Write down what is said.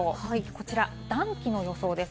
こちら暖気の予想です。